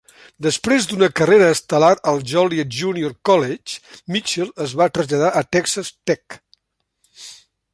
Després d"una carrera estel·lar al Joliet Junior College, Mitchell es va traslladar a Texas Tech.